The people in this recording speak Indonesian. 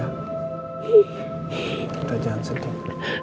kita jangan sedih